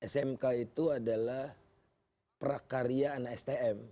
smk itu adalah prakarya anak stm